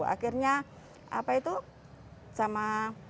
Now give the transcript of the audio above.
akhirnya apa itu sama